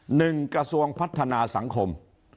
หนึ่งกระทรวงพัฒนาสังคม